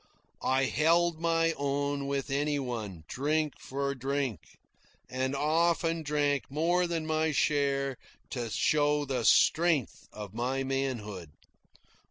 I held my own with any one, drink for drink; and often drank more than my share to show the strength of my manhood.